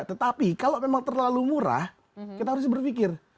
tetapi kalau memang terlalu murah kita harus berpikir